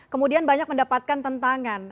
kemudian banyak mendapatkan tentangan